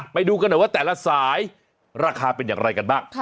ไปดูกันหน่อยว่าแต่ละสายราคาเป็นอย่างไรกันบ้าง